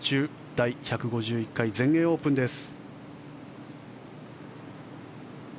第１５１回全英オープンです。